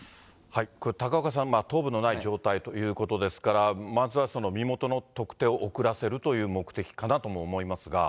これ、高岡さん、頭部のない状態ということですから、まずは身元の特定を遅らせるという目的かなとも思いますが。